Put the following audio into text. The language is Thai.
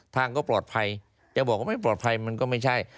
ทางก็ปลอดภัยจะบอกว่าไม่ปลอดภัยมันก็ไม่ใช่